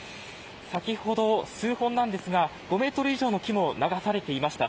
先ほど、数本ですが５メートル以上の木も流されていました。